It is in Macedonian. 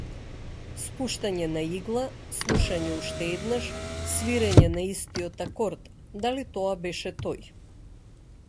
Спуштање на игла, слушање уште еднаш, свирење на истиот акорд, дали тоа беше тој?